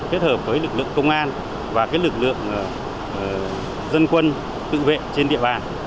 kết hợp với lực lượng công an và lực lượng dân quân tự vệ trên địa bàn